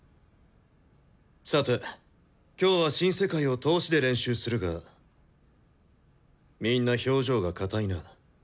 さて今日は「新世界」を通しで練習するがみんな表情がかたいな。